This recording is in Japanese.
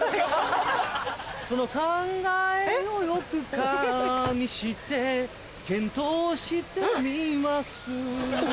その考えをよく加味にして検討してみます